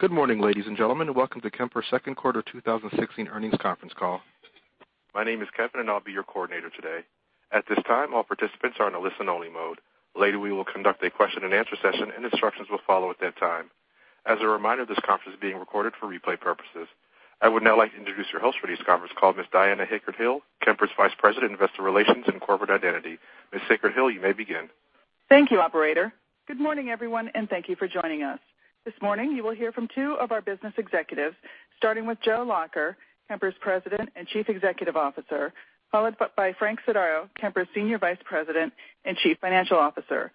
Good morning, ladies and gentlemen, welcome to Kemper's second quarter 2016 earnings conference call. My name is Kevin, I'll be your coordinator today. At this time, all participants are in a listen-only mode. Later, we will conduct a question and answer session, instructions will follow at that time. As a reminder, this conference is being recorded for replay purposes. I would now like to introduce your host for today's conference call, Ms. Diana Hickert-Hill, Kemper's Vice President, Investor Relations and Corporate Identity. Ms. Hickert-Hill, you may begin. Thank you, operator. Good morning, everyone, thank you for joining us. This morning, you will hear from two of our business executives, starting with Joe Lacher, Kemper's President and Chief Executive Officer, followed by Frank Sodaro, Kemper's Senior Vice President and Chief Financial Officer.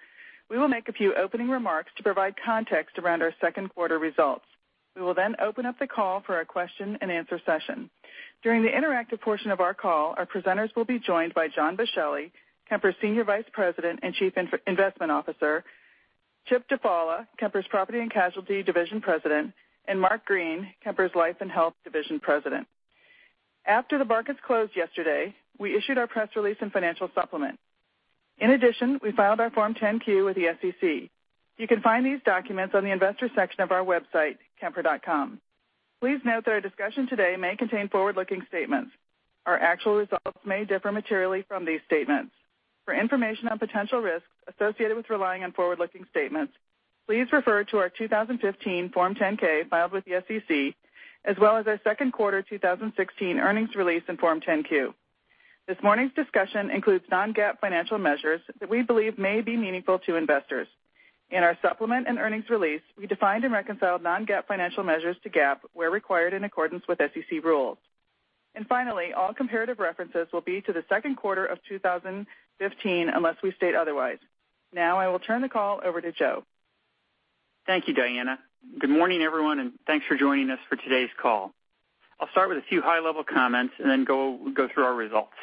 We will make a few opening remarks to provide context around our second quarter results. We will open up the call for our question and answer session. During the interactive portion of our call, our presenters will be joined by John Boschelli, Kemper's Senior Vice President and Chief Investment Officer, Chip Dufala, Kemper's Property and Casualty Division President, and Mark Green, Kemper's Life and Health Division President. After the markets closed yesterday, we issued our press release and financial supplement. In addition, we filed our Form 10-Q with the SEC. You can find these documents on the investor section of our website, kemper.com. Please note that our discussion today may contain forward-looking statements. Our actual results may differ materially from these statements. For information on potential risks associated with relying on forward-looking statements, please refer to our 2015 Form 10-K filed with the SEC, as well as our second quarter 2016 earnings release and Form 10-Q. This morning's discussion includes non-GAAP financial measures that we believe may be meaningful to investors. In our supplement and earnings release, we defined and reconciled non-GAAP financial measures to GAAP where required in accordance with SEC rules. Finally, all comparative references will be to the second quarter of 2015 unless we state otherwise. Now I will turn the call over to Joe. Thank you, Diana. Good morning, everyone, thanks for joining us for today's call. I'll start with a few high-level comments, then go through our results.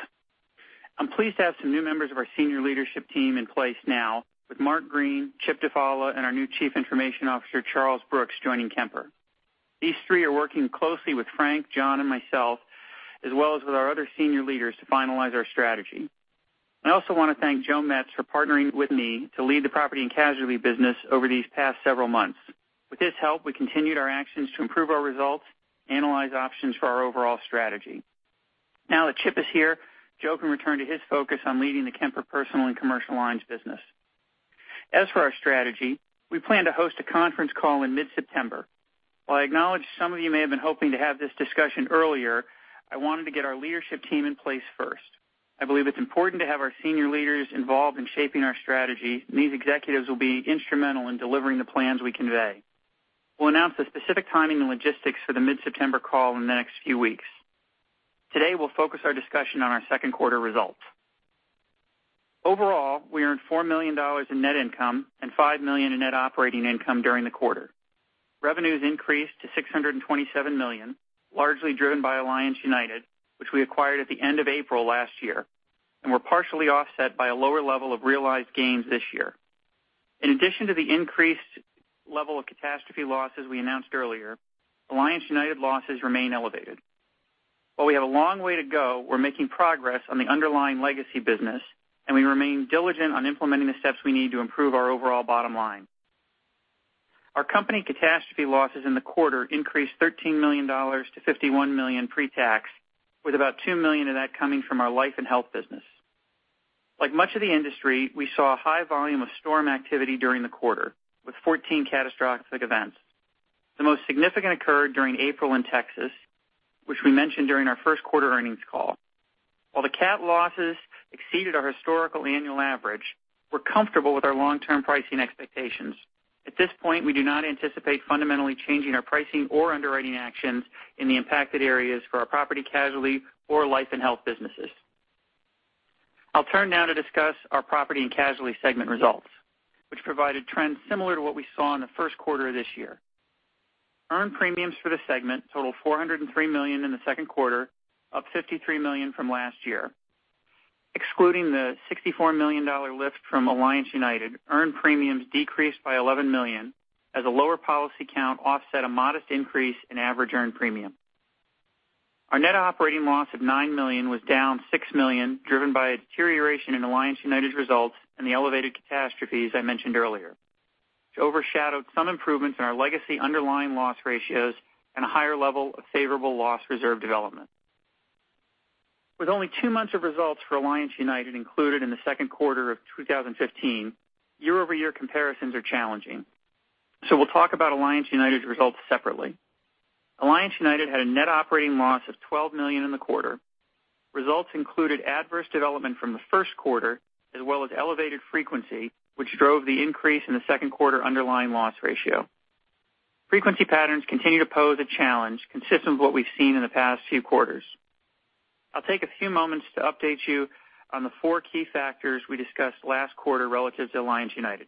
I'm pleased to have some new members of our senior leadership team in place now with Mark Green, Chip Dufala, and our new Chief Information Officer, Charles Brooks, joining Kemper. These three are working closely with Frank, John, and myself, as well as with our other senior leaders to finalize our strategy. I also want to thank Joe Metz for partnering with me to lead the property and casualty business over these past several months. With his help, we continued our actions to improve our results, analyze options for our overall strategy. Now that Chip is here, Joe can return to his focus on leading the Kemper personal and commercial lines business. As for our strategy, we plan to host a conference call in mid-September. While I acknowledge some of you may have been hoping to have this discussion earlier, I wanted to get our leadership team in place first. I believe it's important to have our senior leaders involved in shaping our strategy, and these executives will be instrumental in delivering the plans we convey. We'll announce the specific timing and logistics for the mid-September call in the next few weeks. Today, we'll focus our discussion on our second quarter results. Overall, we earned $4 million in net income and $5 million in net operating income during the quarter. Revenues increased to $627 million, largely driven by Alliance United, which we acquired at the end of April last year and were partially offset by a lower level of realized gains this year. In addition to the increased level of catastrophe losses we announced earlier, Alliance United losses remain elevated. While we have a long way to go, we're making progress on the underlying legacy business, and we remain diligent on implementing the steps we need to improve our overall bottom line. Our company catastrophe losses in the quarter increased $13 million to $51 million pre-tax, with about $2 million of that coming from our life and health business. Like much of the industry, we saw a high volume of storm activity during the quarter, with 14 catastrophic events. The most significant occurred during April in Texas, which we mentioned during our first quarter earnings call. While the cat losses exceeded our historical annual average, we're comfortable with our long-term pricing expectations. At this point, we do not anticipate fundamentally changing our pricing or underwriting actions in the impacted areas for our property/casualty or life and health businesses. I'll turn now to discuss our property and casualty segment results, which provided trends similar to what we saw in the first quarter of this year. Earned premiums for the segment totaled $403 million in the second quarter, up $53 million from last year. Excluding the $64 million lift from Alliance United, earned premiums decreased by $11 million as a lower policy count offset a modest increase in average earned premium. Our net operating loss of $9 million was down $6 million, driven by a deterioration in Alliance United's results and the elevated catastrophes I mentioned earlier, which overshadowed some improvements in our legacy underlying loss ratios and a higher level of favorable loss reserve development. With only two months of results for Alliance United included in the second quarter of 2015, year-over-year comparisons are challenging. We'll talk about Alliance United's results separately. Alliance United had a net operating loss of $12 million in the quarter. Results included adverse development from the first quarter as well as elevated frequency, which drove the increase in the second quarter underlying loss ratio. Frequency patterns continue to pose a challenge consistent with what we've seen in the past few quarters. I'll take a few moments to update you on the four key factors we discussed last quarter relative to Alliance United: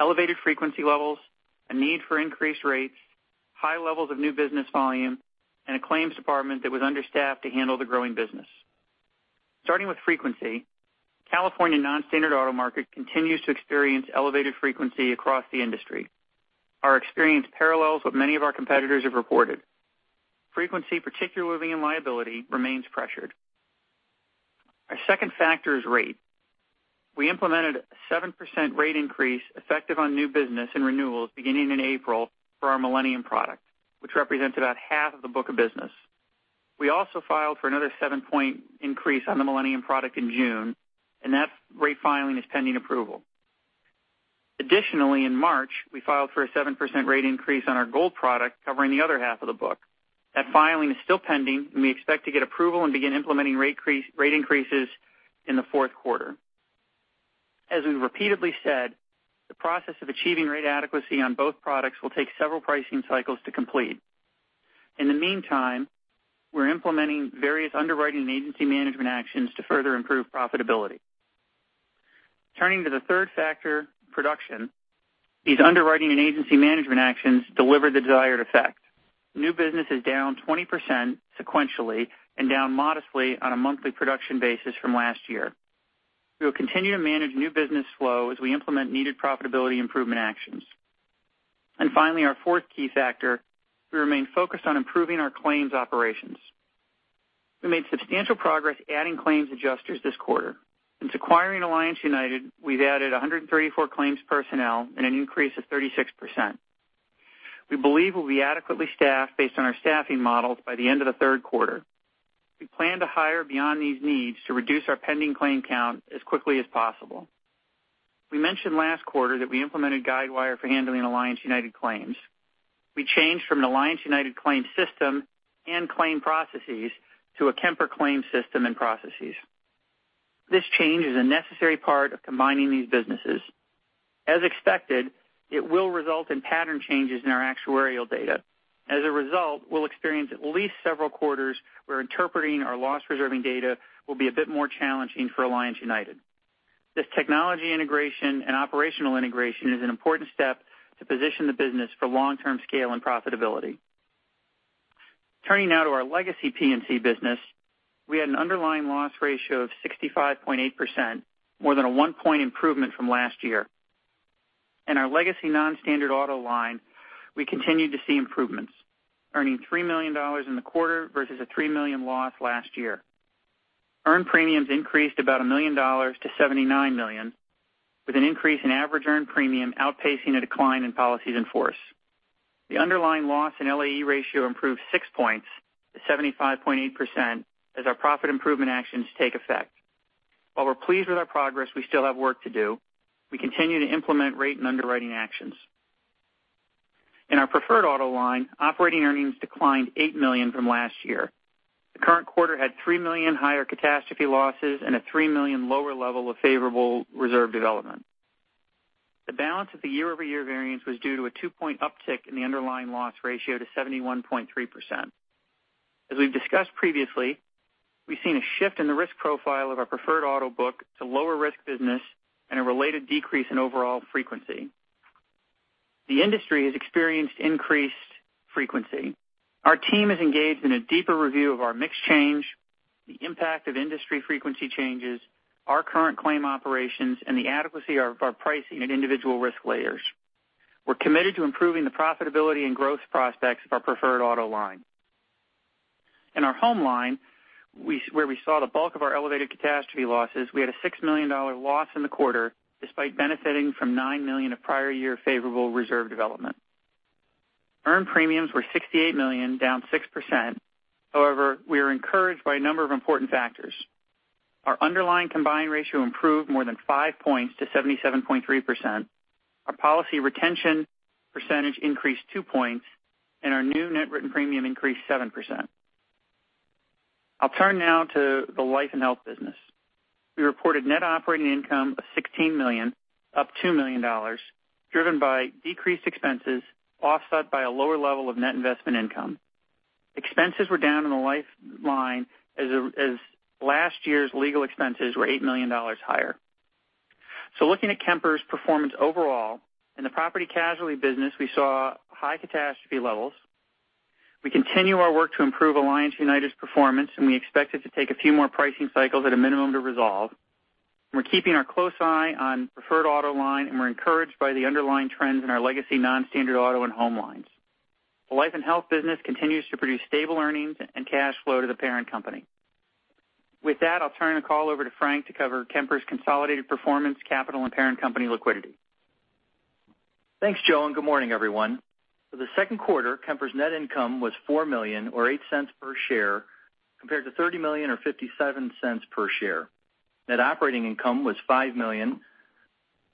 elevated frequency levels, a need for increased rates, high levels of new business volume, and a claims department that was understaffed to handle the growing business. Starting with frequency, California non-standard auto market continues to experience elevated frequency across the industry. Our experience parallels what many of our competitors have reported. Frequency, particularly in liability, remains pressured. Our second factor is rate. We implemented a 7% rate increase effective on new business and renewals beginning in April for our Millennium product, which represents about half of the book of business. We also filed for another 7-point increase on the Millennium product in June, and that rate filing is pending approval. Additionally, in March, we filed for a 7% rate increase on our Gold product covering the other half of the book. That filing is still pending, and we expect to get approval and begin implementing rate increases in the fourth quarter. As we've repeatedly said, the process of achieving rate adequacy on both products will take several pricing cycles to complete. In the meantime, we're implementing various underwriting and agency management actions to further improve profitability. Turning to the third factor, production, these underwriting and agency management actions deliver the desired effect. New business is down 20% sequentially and down modestly on a monthly production basis from last year. We will continue to manage new business flow as we implement needed profitability improvement actions. Finally, our fourth key factor, we remain focused on improving our claims operations. We made substantial progress adding claims adjusters this quarter. Since acquiring Alliance United, we've added 134 claims personnel and an increase of 36%. We believe we'll be adequately staffed based on our staffing models by the end of the third quarter. We plan to hire beyond these needs to reduce our pending claim count as quickly as possible. We mentioned last quarter that we implemented Guidewire for handling Alliance United claims. We changed from an Alliance United claims system and claim processes to a Kemper claim system and processes. This change is a necessary part of combining these businesses. As expected, it will result in pattern changes in our actuarial data. As a result, we'll experience at least several quarters where interpreting our loss reserving data will be a bit more challenging for Alliance United. This technology integration and operational integration is an important step to position the business for long-term scale and profitability. Turning now to our legacy P&C business, we had an underlying loss ratio of 65.8%, more than a 1-point improvement from last year. In our legacy non-standard auto line, we continued to see improvements, earning $3 million in the quarter versus a $3 million loss last year. Earned premiums increased about $1 million to $79 million, with an increase in average earned premium outpacing a decline in policies in force. The underlying loss in LAE ratio improved 6 points to 75.8% as our profit improvement actions take effect. While we're pleased with our progress, we still have work to do. We continue to implement rate and underwriting actions. In our preferred auto line, operating earnings declined $8 million from last year. The current quarter had $3 million higher catastrophe losses and a $3 million lower level of favorable reserve development. The balance of the year-over-year variance was due to a 2-point uptick in the underlying loss ratio to 71.3%. As we've discussed previously, we've seen a shift in the risk profile of our preferred auto book to lower-risk business and a related decrease in overall frequency. The industry has experienced increased frequency. Our team is engaged in a deeper review of our mix change, the impact of industry frequency changes, our current claim operations, and the adequacy of our pricing at individual risk layers. We're committed to improving the profitability and growth prospects of our preferred auto line. In our home line, where we saw the bulk of our elevated catastrophe losses, we had a $6 million loss in the quarter, despite benefiting from $9 million of prior year favorable reserve development. Earned premiums were $68 million, down 6%. We are encouraged by a number of important factors. Our underlying combined ratio improved more than 5 points to 77.3%. Our policy retention percentage increased 2 points, and our new net written premium increased 7%. I'll turn now to the life and health business. We reported net operating income of $16 million, up $2 million, driven by decreased expenses, offset by a lower level of net investment income. Expenses were down in the life line as last year's legal expenses were $8 million higher. Looking at Kemper's performance overall, in the property casualty business, we saw high catastrophe levels. We continue our work to improve Alliance United's performance, and we expect it to take a few more pricing cycles at a minimum to resolve. We're keeping our close eye on preferred auto line, and we're encouraged by the underlying trends in our legacy non-standard auto and home lines. The life and health business continues to produce stable earnings and cash flow to the parent company. With that, I'll turn the call over to Frank to cover Kemper's consolidated performance, capital, and parent company liquidity. Thanks, Joe, and good morning, everyone. For the second quarter, Kemper's net income was $4 million or $0.08 per share, compared to $30 million or $0.57 per share. Net operating income was $5 million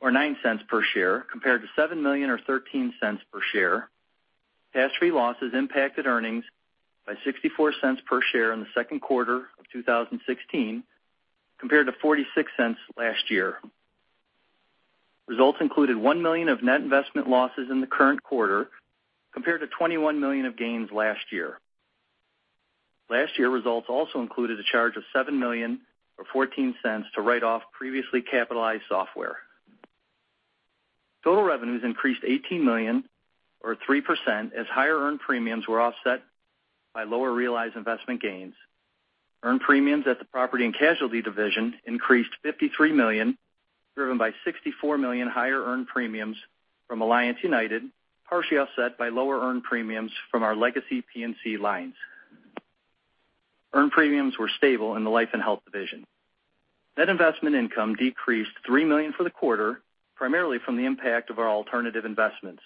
or $0.09 per share, compared to $7 million or $0.13 per share. Catastrophe losses impacted earnings by $0.64 per share in the second quarter of 2016, compared to $0.46 last year. Results included $1 million of net investment losses in the current quarter, compared to $21 million of gains last year. Last year results also included a charge of $7 million or $0.14 to write off previously capitalized software. Total revenues increased $18 million or 3% as higher earned premiums were offset by lower realized investment gains. Earned premiums at the property and casualty division increased $53 million. Driven by $64 million higher earned premiums from Alliance United, partially offset by lower earned premiums from our legacy P&C lines. Earned premiums were stable in the life and health division. Net investment income decreased $3 million for the quarter, primarily from the impact of our alternative investments.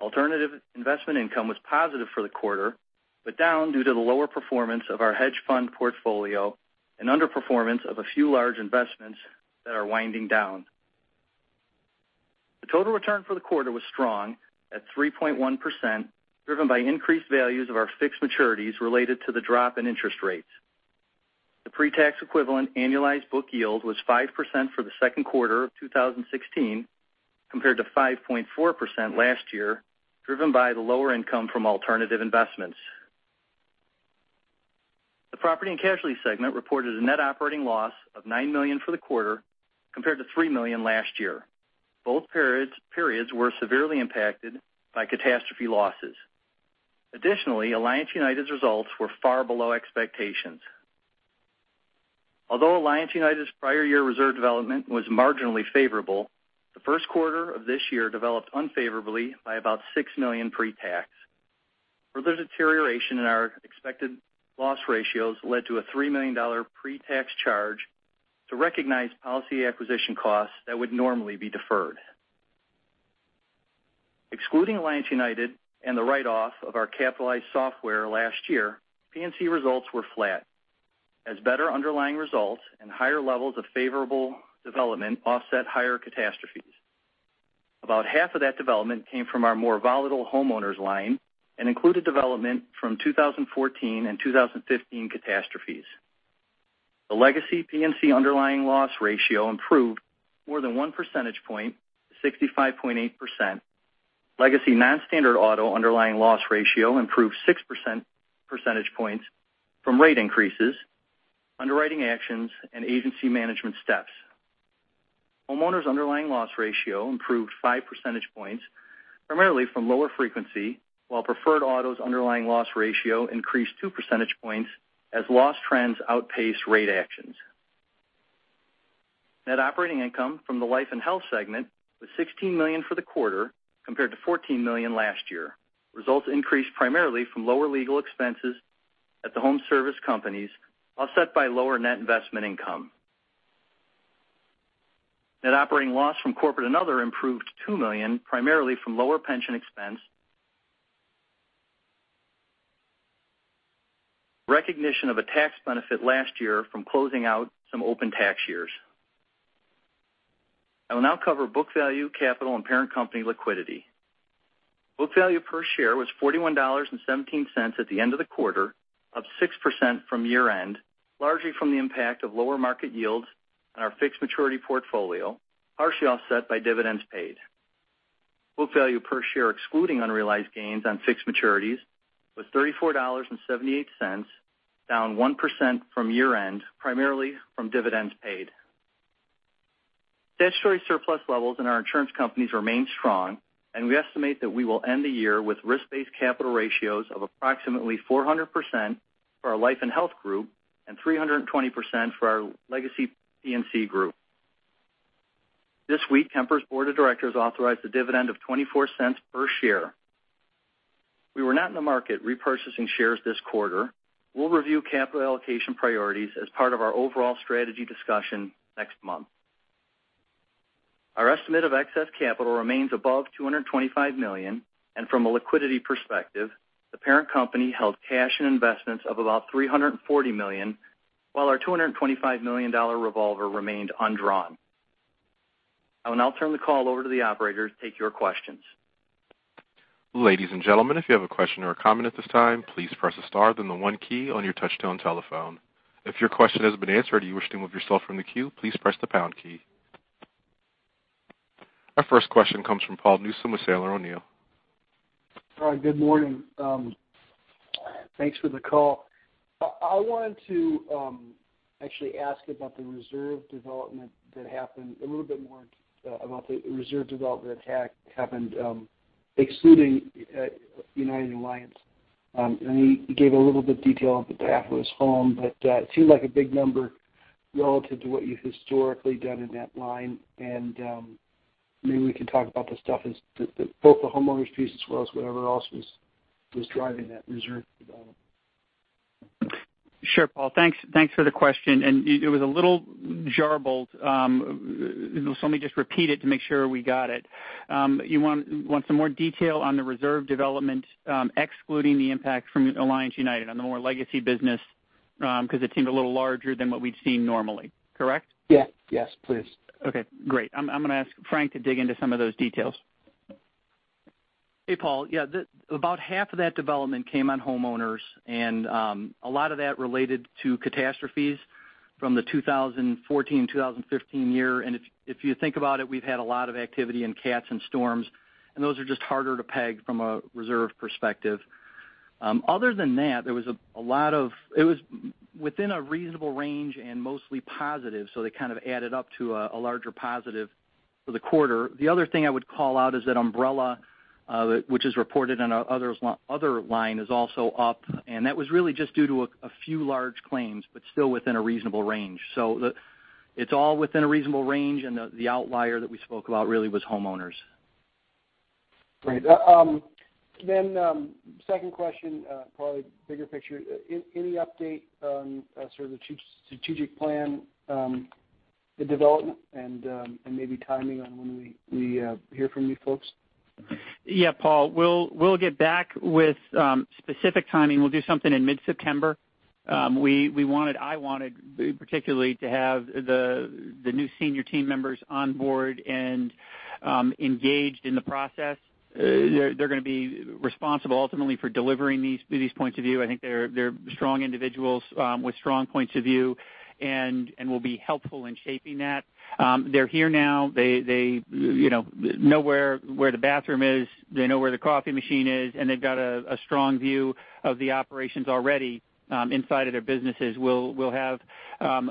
Alternative investment income was positive for the quarter, but down due to the lower performance of our hedge fund portfolio and underperformance of a few large investments that are winding down. The total return for the quarter was strong at 3.1%, driven by increased values of our fixed maturities related to the drop in interest rates. The pre-tax equivalent annualized book yield was 5% for the second quarter of 2016, compared to 5.4% last year, driven by the lower income from alternative investments. The property and casualty segment reported a net operating loss of $9 million for the quarter, compared to $3 million last year. Both periods were severely impacted by catastrophe losses. Additionally, Alliance United's results were far below expectations. Although Alliance United's prior year reserve development was marginally favorable, the first quarter of this year developed unfavorably by about $6 million pre-tax. Further deterioration in our expected loss ratios led to a $3 million pre-tax charge to recognize policy acquisition costs that would normally be deferred. Excluding Alliance United and the write-off of our capitalized software last year, P&C results were flat as better underlying results and higher levels of favorable development offset higher catastrophes. About half of that development came from our more volatile homeowners line and included development from 2014 and 2015 catastrophes. The legacy P&C underlying loss ratio improved more than one percentage point to 65.8%. Legacy non-standard auto underlying loss ratio improved six percentage points from rate increases, underwriting actions, and agency management steps. Homeowners' underlying loss ratio improved five percentage points, primarily from lower frequency, while preferred auto's underlying loss ratio increased two percentage points as loss trends outpaced rate actions. Net operating income from the life and health segment was $16 million for the quarter, compared to $14 million last year. Results increased primarily from lower legal expenses at the home service companies, offset by lower net investment income. Net operating loss from corporate and other improved $2 million, primarily from lower pension expense, recognition of a tax benefit last year from closing out some open tax years. I will now cover book value, capital, and parent company liquidity. Book value per share was $41.17 at the end of the quarter, up 6% from year-end, largely from the impact of lower market yields on our fixed maturity portfolio, partially offset by dividends paid. Book value per share excluding unrealized gains on fixed maturities was $34.78, down 1% from year-end, primarily from dividends paid. Statutory surplus levels in our insurance companies remain strong, and we estimate that we will end the year with risk-based capital ratios of approximately 400% for our life & health group and 320% for our legacy P&C group. This week, Kemper's board of directors authorized a dividend of $0.24 per share. We were not in the market repurchasing shares this quarter. We'll review capital allocation priorities as part of our overall strategy discussion next month. Our estimate of excess capital remains above $225 million, from a liquidity perspective, the parent company held cash and investments of about $340 million, while our $225 million revolver remained undrawn. I will now turn the call over to the operator to take your questions. Ladies and gentlemen, if you have a question or a comment at this time, please press a star, then the one key on your touch-tone telephone. If your question has been answered or you wish to remove yourself from the queue, please press the pound key. Our first question comes from Paul Newsome with Sandler O'Neill. Hi, good morning. Thanks for the call. I wanted to actually ask about the reserve development that happened a little bit more, about the reserve development that happened excluding Alliance United. You gave a little bit of detail, the half was home, but it seemed like a big number relative to what you've historically done in that line. Maybe we can talk about the stuff, both the homeowners piece as well as whatever else was driving that reserve development. Sure, Paul. Thanks for the question. It was a little garbled, let me just repeat it to make sure we got it. You want some more detail on the reserve development, excluding the impact from Alliance United on the more legacy business, because it seemed a little larger than what we'd seen normally. Correct? Yes, please. Okay, great. I'm going to ask Frank to dig into some of those details. Hey, Paul. Yeah, about half of that development came on homeowners, and a lot of that related to catastrophes from the 2014-2015 year. If you think about it, we've had a lot of activity in cats and storms, and those are just harder to peg from a reserve perspective. Other than that, it was within a reasonable range and mostly positive, so they kind of added up to a larger positive. For the quarter. The other thing I would call out is that umbrella, which is reported on our other line, is also up, and that was really just due to a few large claims, but still within a reasonable range. It's all within a reasonable range, and the outlier that we spoke about really was homeowners. Great. Second question, probably bigger picture. Any update on sort of the strategic plan, the development and maybe timing on when we hear from you folks? Yeah, Paul, we'll get back with specific timing. We'll do something in mid-September. I wanted particularly to have the new senior team members on board and engaged in the process. They're going to be responsible ultimately for delivering these points of view. I think they're strong individuals with strong points of view and will be helpful in shaping that. They're here now. They know where the bathroom is, they know where the coffee machine is, and they've got a strong view of the operations already inside of their businesses. We'll have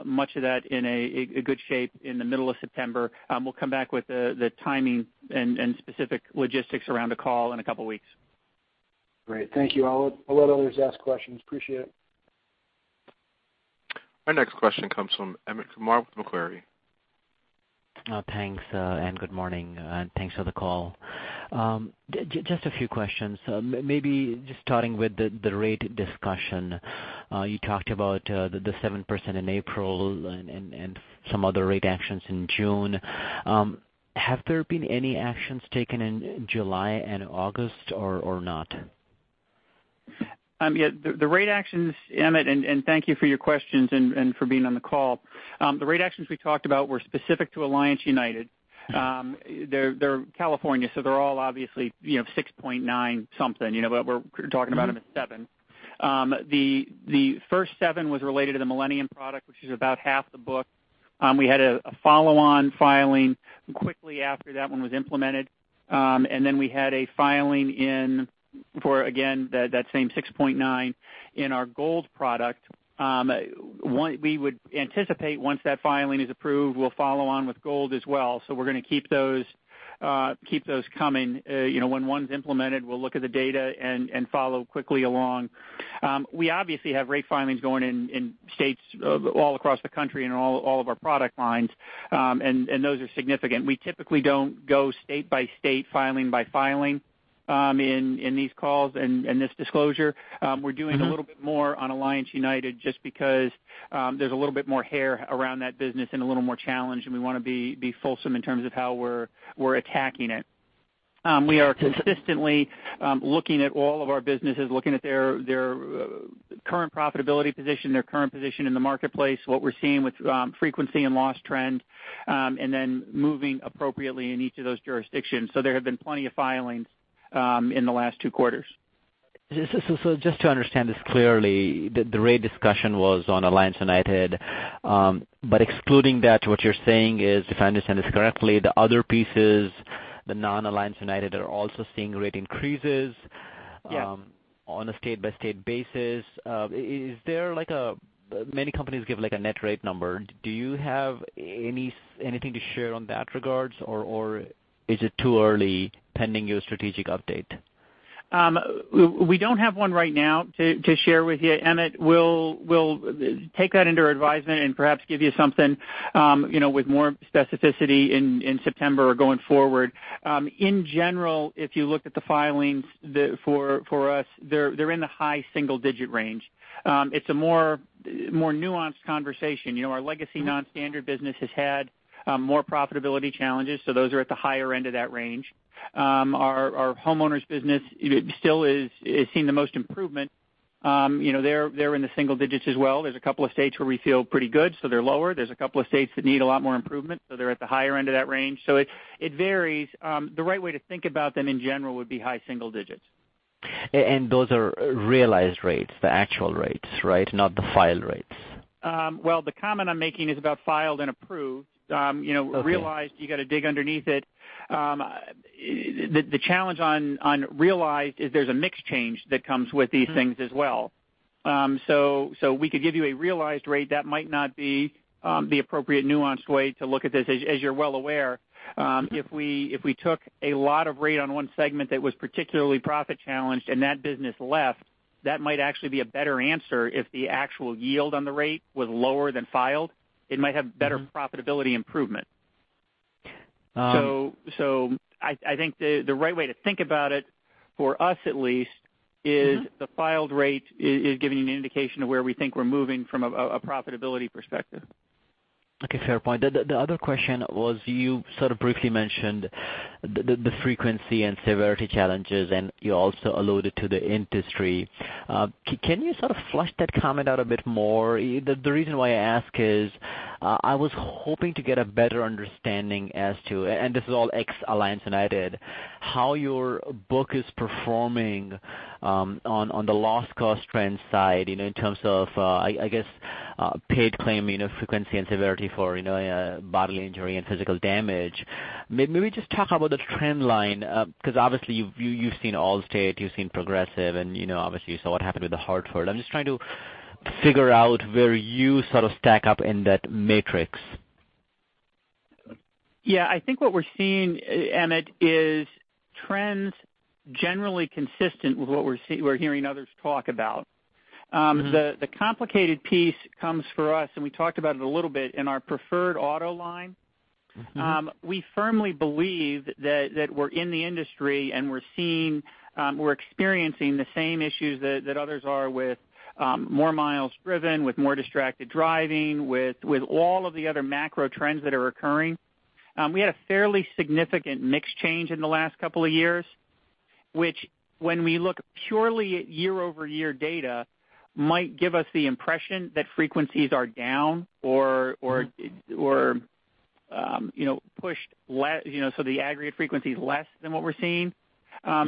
much of that in a good shape in the middle of September. We'll come back with the timing and specific logistics around a call in a couple of weeks. Great. Thank you. I'll let others ask questions. Appreciate it. Our next question comes from Meyer Shields with Macquarie. Thanks, good morning, thanks for the call. Just a few questions. Maybe just starting with the rate discussion. You talked about the 7% in April and some other rate actions in June. Have there been any actions taken in July and August or not? Yeah, the rate actions, Meyer, thank you for your questions and for being on the call. The rate actions we talked about were specific to Alliance United. They're California, so they're all obviously 6.9 something, but we're talking about them as 7. The first 7 was related to the Millennium product, which is about half the book. We had a follow-on filing quickly after that one was implemented. Then we had a filing in for, again, that same 6.9 in our Gold product. We would anticipate once that filing is approved, we'll follow on with Gold as well. We're going to keep those coming. When one's implemented, we'll look at the data and follow quickly along. We obviously have rate filings going in states all across the country in all of our product lines, and those are significant. We typically don't go state by state, filing by filing, in these calls and this disclosure. We're doing a little bit more on Alliance United just because there's a little bit more hair around that business and a little more challenge, and we want to be fulsome in terms of how we're attacking it. We are consistently looking at all of our businesses, looking at their current profitability position, their current position in the marketplace, what we're seeing with frequency and loss trend, and then moving appropriately in each of those jurisdictions. There have been plenty of filings in the last two quarters. Just to understand this clearly, the rate discussion was on Alliance United. Excluding that, what you're saying is, if I understand this correctly, the other pieces, the non-Alliance United, are also seeing rate increases. Yes On a state-by-state basis. Many companies give like a net rate number. Do you have anything to share on that regard, or is it too early pending your strategic update? We don't have one right now to share with you, Emmet. We'll take that under advisement and perhaps give you something with more specificity in September or going forward. In general, if you looked at the filings for us, they're in the high single-digit range. It's a more nuanced conversation. Our legacy non-standard business has had more profitability challenges, so those are at the higher end of that range. Our homeowners business still is seeing the most improvement. They're in the single digits as well. There's a couple of states where we feel pretty good, so they're lower. There's a couple of states that need a lot more improvement, so they're at the higher end of that range. It varies. The right way to think about them in general would be high single digits. those are realized rates, the actual rates, right? Not the filed rates. Well, the comment I'm making is about filed and approved. Okay. Realized, you got to dig underneath it. The challenge on realized is there's a mix change that comes with these things as well. We could give you a realized rate that might not be the appropriate nuanced way to look at this. As you're well aware, if we took a lot of rate on one segment that was particularly profit-challenged and that business left, that might actually be a better answer if the actual yield on the rate was lower than filed. It might have better profitability improvement. I think the right way to think about it, for us at least, is the filed rate is giving you an indication of where we think we're moving from a profitability perspective. Okay, fair point. The other question was, you sort of briefly mentioned the frequency and severity challenges, and you also alluded to the industry. Can you sort of flesh that comment out a bit more? The reason why I ask is I was hoping to get a better understanding as to, and this is all ex Alliance United, how your book is performing on the loss cost trend side, in terms of, I guess, paid claim, frequency and severity for bodily injury and physical damage. Maybe just talk about the trend line, because obviously you've seen Allstate, you've seen Progressive, and obviously you saw what happened with The Hartford. I'm just trying to figure out where you sort of stack up in that matrix. Yeah. I think what we're seeing, Amit, is trends generally consistent with what we're hearing others talk about. The complicated piece comes for us, and we talked about it a little bit in our preferred auto line. We firmly believe that we're in the industry, and we're seeing, we're experiencing the same issues that others are with more miles driven, with more distracted driving, with all of the other macro trends that are occurring. We had a fairly significant mix change in the last couple of years, which when we look purely at year-over-year data, might give us the impression that frequencies are down or- Pushed less, so the aggregate frequency's less than what we're seeing. As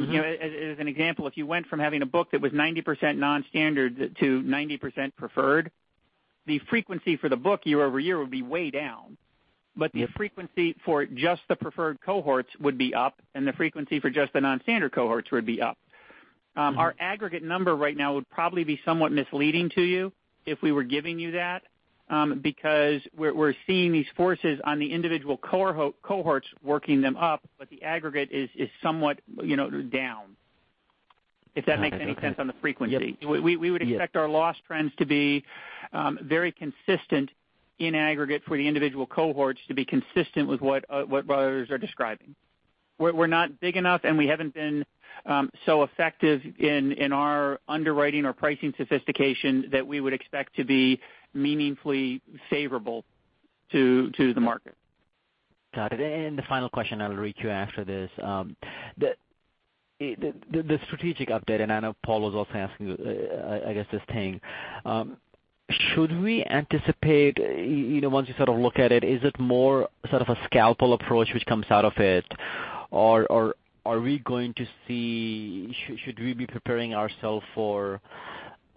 an example, if you went from having a book that was 90% non-standard to 90% preferred, the frequency for the book year-over-year would be way down. Yeah. The frequency for just the preferred cohorts would be up, and the frequency for just the non-standard cohorts would be up. Our aggregate number right now would probably be somewhat misleading to you if we were giving you that, because we're seeing these forces on the individual cohorts working them up, but the aggregate is somewhat down. If that makes any sense. Got it. on the frequency. Yep. We would expect our- Yeah loss trends to be very consistent in aggregate for the individual cohorts to be consistent with what others are describing. We're not big enough, we haven't been so effective in our underwriting or pricing sophistication that we would expect to be meaningfully favorable to the market. Got it. The final question I will reach you after this. The strategic update, I know Paul was also asking, I guess this thing. Should we anticipate, once you sort of look at it, is it more sort of a scalpel approach which comes out of it? Should we be preparing ourselves for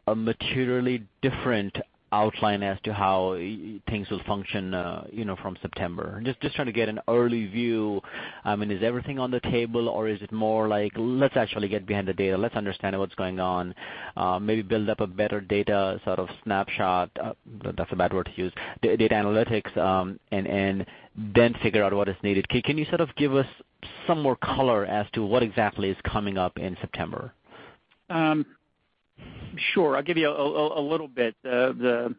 a materially different outline as to how things will function from September? Just trying to get an early view. I mean, is everything on the table or is it more like, let's actually get behind the data, let's understand what's going on, maybe build up a better data sort of snapshot. That's a bad word to use. Data analytics, then figure out what is needed. Can you sort of give us some more color as to what exactly is coming up in September? Sure. I'll give you a little bit, the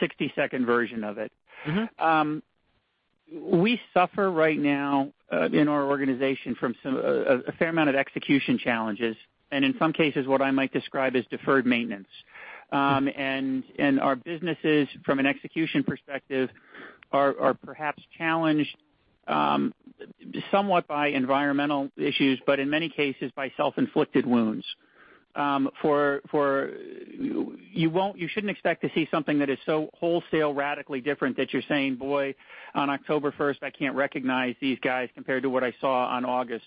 60-second version of it. We suffer right now in our organization from a fair amount of execution challenges, and in some cases, what I might describe as deferred maintenance. Our businesses from an execution perspective are perhaps challenged somewhat by environmental issues, but in many cases by self-inflicted wounds. You shouldn't expect to see something that is so wholesale radically different that you're saying, "Boy, on October 1st, I can't recognize these guys compared to what I saw on August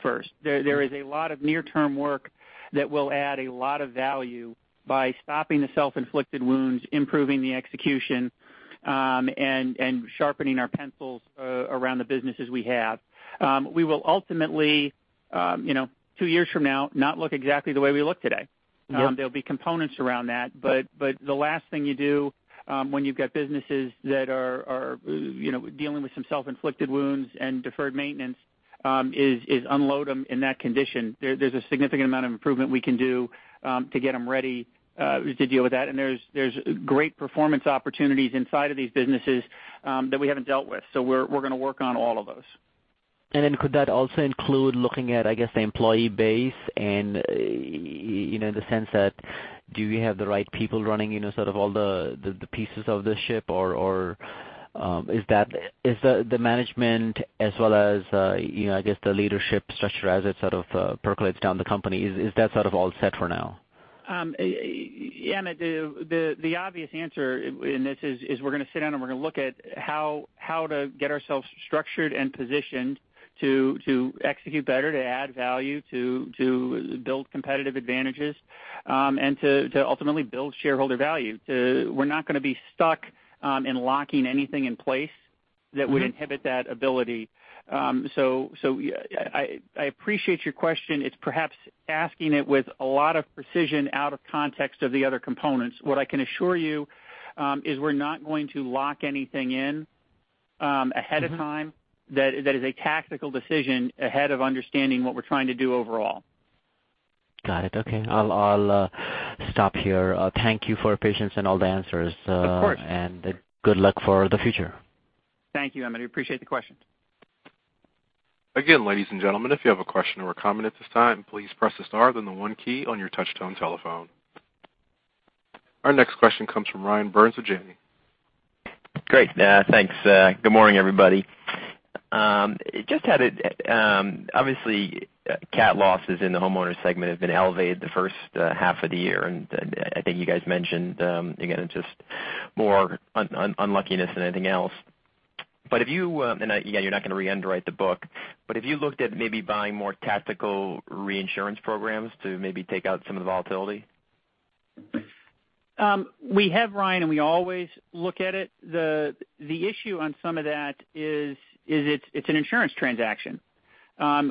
1st." There is a lot of near-term work that will add a lot of value by stopping the self-inflicted wounds, improving the execution, and sharpening our pencils around the businesses we have. We will ultimately, two years from now, not look exactly the way we look today. Yeah. There'll be components around that, but the last thing you do when you've got businesses that are dealing with some self-inflicted wounds and deferred maintenance, is unload them in that condition. There's a significant amount of improvement we can do to get them ready to deal with that. There's great performance opportunities inside of these businesses that we haven't dealt with. We're going to work on all of those. Could that also include looking at, I guess, the employee base and the sense that, do we have the right people running sort of all the pieces of the ship, or is the management as well as I guess the leadership structure as it sort of percolates down the company, is that sort of all set for now? Amit, the obvious answer in this is we're going to sit down and we're going to look at how to get ourselves structured and positioned to execute better, to add value, to build competitive advantages, and to ultimately build shareholder value. We're not going to be stuck in locking anything in place that would- inhibit that ability. I appreciate your question. It's perhaps asking it with a lot of precision out of context of the other components. What I can assure you is we're not going to lock anything in ahead of time. That is a tactical decision ahead of understanding what we're trying to do overall. Got it. Okay. I'll stop here. Thank you for patience and all the answers. Of course. Good luck for the future. Thank you, Amit. Appreciate the question. Again, ladies and gentlemen, if you have a question or a comment at this time, please press the star then the one key on your touchtone telephone. Our next question comes from Ryan Burns of Janney. Great. Thanks. Good morning, everybody. Obviously, cat losses in the homeowners segment have been elevated the first half of the year. I think you guys mentioned, again, it's just more unluckiness than anything else. Yeah, you're not going to re-underwrite the book, but have you looked at maybe buying more tactical reinsurance programs to maybe take out some of the volatility? We have, Ryan, we always look at it. The issue on some of that is it's an insurance transaction.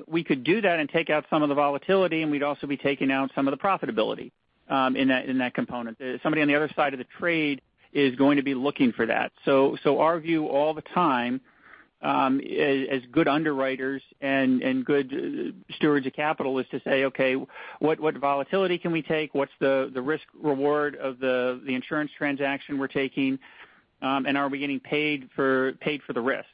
We could do that and take out some of the volatility, and we'd also be taking out some of the profitability in that component. Somebody on the other side of the trade is going to be looking for that. Our view all the time, as good underwriters and good stewards of capital, is to say, "Okay, what volatility can we take? What's the risk-reward of the insurance transaction we're taking? Are we getting paid for the risk?"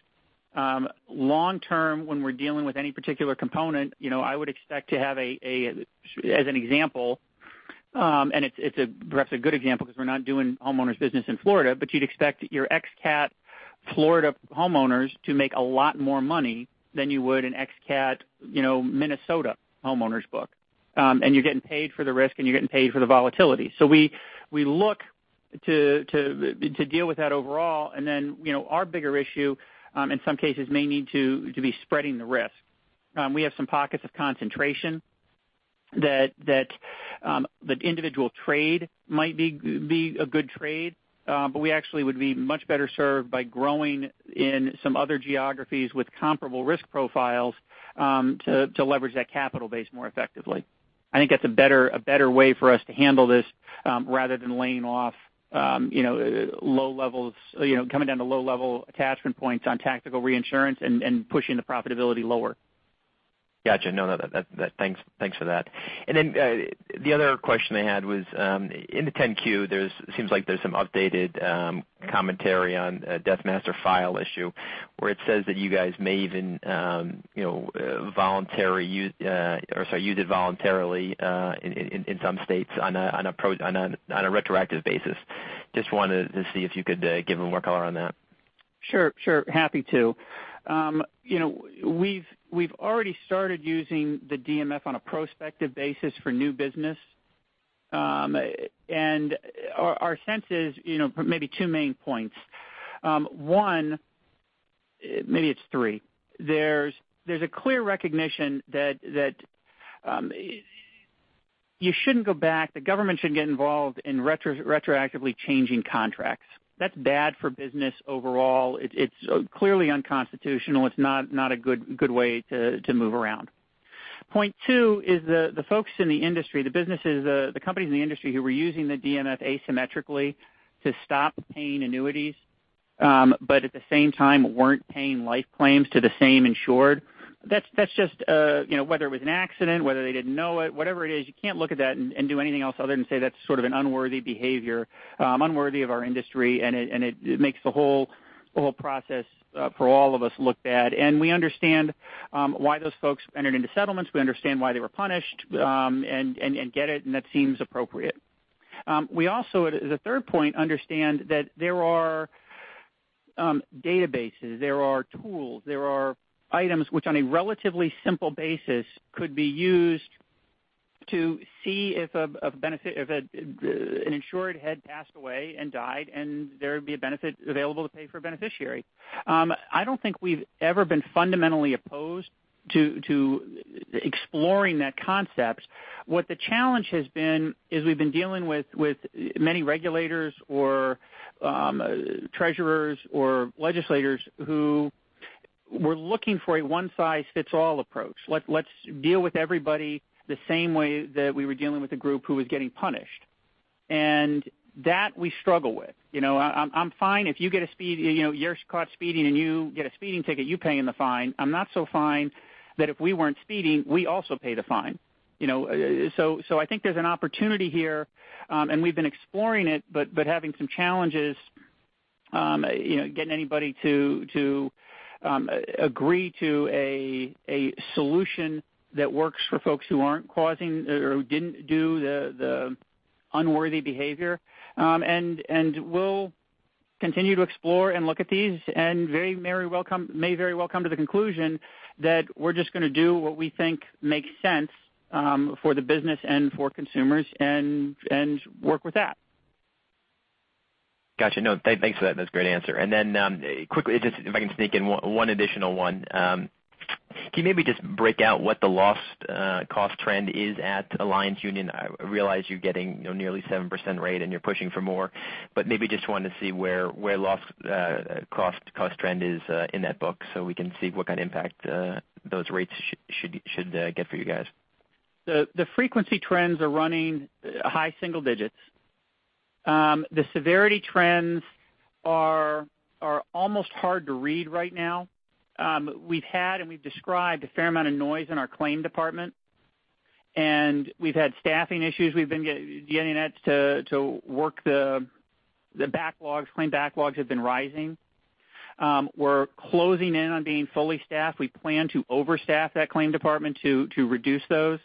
Long-term, when we're dealing with any particular component, I would expect to have, as an example, and it's perhaps a good example because we're not doing homeowners' business in Florida, but you'd expect your ex-cat Florida homeowners to make a lot more money than you would an ex-cat Minnesota homeowners book. You're getting paid for the risk, and you're getting paid for the volatility. We look to deal with that overall, then our bigger issue, in some cases, may need to be spreading the risk. We have some pockets of concentration that individual trade might be a good trade, but we actually would be much better served by growing in some other geographies with comparable risk profiles to leverage that capital base more effectively. I think that's a better way for us to handle this, rather than coming down to low-level attachment points on tactical reinsurance and pushing the profitability lower. Got you. No, thanks for that. Then the other question I had was, in the 10-Q, it seems like there's some updated commentary on Death Master File issue, where it says that you guys may even use it voluntarily in some states on a retroactive basis. Just wanted to see if you could give more color on that. Sure. Happy to. We've already started using the DMF on a prospective basis for new business. Our sense is maybe two main points. One, maybe it's three. There's a clear recognition that you shouldn't go back, the government shouldn't get involved in retroactively changing contracts. That's bad for business overall. It's clearly unconstitutional. It's not a good way to move around. Point two is the folks in the industry, the companies in the industry who were using the DMF asymmetrically to stop paying annuities, but at the same time weren't paying life claims to the same insured. Whether it was an accident, whether they didn't know it, whatever it is, you can't look at that and do anything else other than say that's sort of an unworthy behavior, unworthy of our industry, and it makes the whole process for all of us look bad. We understand why those folks entered into settlements. We understand why they were punished, and get it, and that seems appropriate. We also, as a third point, understand that there are databases, there are tools, there are items which on a relatively simple basis could be used to see if an insured had passed away and died, and there would be a benefit available to pay for a beneficiary. I don't think we've ever been fundamentally opposed to exploring that concept. What the challenge has been is we've been dealing with many regulators or treasurers or legislators who were looking for a one-size-fits-all approach. Let's deal with everybody the same way that we were dealing with the group who was getting punished. That we struggle with. I'm fine if you're caught speeding, and you get a speeding ticket, you paying the fine. I'm not so fine that if we weren't speeding, we also pay the fine. I think there's an opportunity here, and we've been exploring it, but having some challenges getting anybody to agree to a solution that works for folks who didn't do the unworthy behavior. We'll continue to explore and look at these, and may very well come to the conclusion that we're just going to do what we think makes sense for the business and for consumers, and work with that. Got you. No, thanks for that. That's a great answer. Then quickly, if I can sneak in one additional one. Can you maybe just break out what the loss cost trend is at Alliance United? I realize you're getting nearly 7% rate, and you're pushing for more. Maybe just wanted to see where loss cost trend is in that book so we can see what kind of impact those rates should get for you guys. The frequency trends are running high single digits. The severity trends are almost hard to read right now. We've had and we've described a fair amount of noise in our claim department. We've had staffing issues. We've been getting that to work the backlogs. Claim backlogs have been rising. We're closing in on being fully staffed. We plan to overstaff that claim department to reduce those.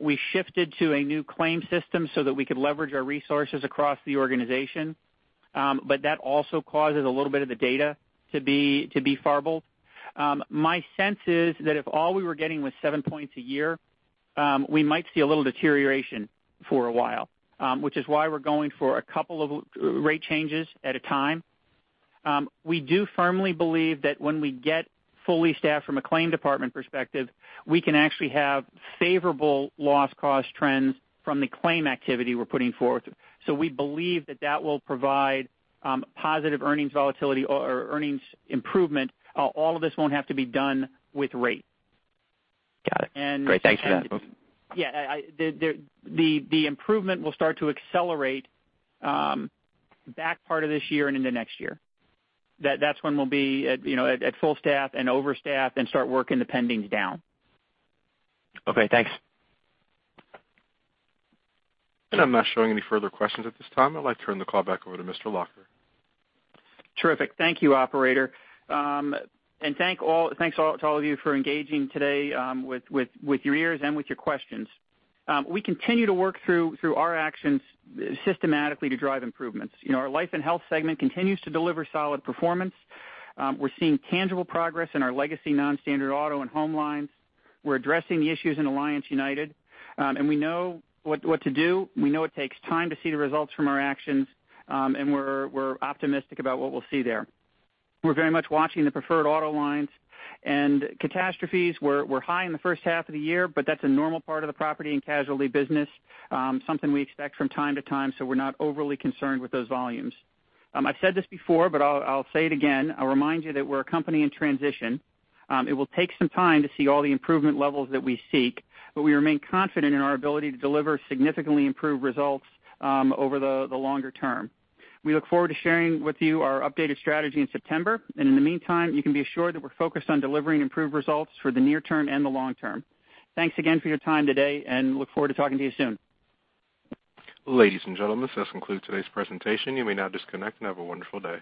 We shifted to a new claim system so that we could leverage our resources across the organization. That also causes a little bit of the data to be garbled. My sense is that if all we were getting was seven points a year, we might see a little deterioration for a while, which is why we're going for a couple of rate changes at a time. We do firmly believe that when we get fully staffed from a claim department perspective, we can actually have favorable loss cost trends from the claim activity we're putting forth. We believe that that will provide positive earnings volatility or earnings improvement. All of this won't have to be done with rate. Got it. Great. Thanks for that. Yeah. The improvement will start to accelerate back part of this year and into next year. That's when we'll be at full staff and overstaffed and start working the pendings down. Okay, thanks. I'm not showing any further questions at this time. I'd like to turn the call back over to Mr. Lacher. Terrific. Thank you, operator. Thanks to all of you for engaging today with your ears and with your questions. We continue to work through our actions systematically to drive improvements. Our Life & Health segment continues to deliver solid performance. We're seeing tangible progress in our legacy Non-Standard Auto and Home lines. We're addressing the issues in Alliance United. We know what to do. We know it takes time to see the results from our actions, and we're optimistic about what we'll see there. We're very much watching the Preferred Auto lines. Catastrophes were high in the first half of the year, but that's a normal part of the Property and Casualty business, something we expect from time to time, so we're not overly concerned with those volumes. I've said this before, but I'll say it again. I'll remind you that we're a company in transition. It will take some time to see all the improvement levels that we seek, but we remain confident in our ability to deliver significantly improved results over the longer term. We look forward to sharing with you our updated strategy in September. In the meantime, you can be assured that we're focused on delivering improved results for the near term and the long term. Thanks again for your time today, and look forward to talking to you soon. Ladies and gentlemen, this concludes today's presentation. You may now disconnect and have a wonderful day.